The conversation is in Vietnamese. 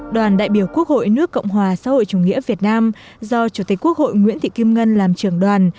đoàn đại biểu quốc hội nước cộng hòa xã hội chủ nghĩa việt nam do chủ tịch quốc hội nguyễn thị kim ngân làm trưởng đoàn